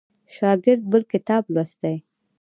شاګرد بل کتاب لوستی.